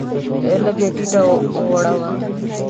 لږ یې ټیټه وړوه.